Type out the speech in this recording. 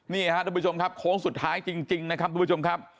นี่ครับทุกผู้ชมครับโค้งสุดท้ายจริงนะครับทุกผู้ชมครับ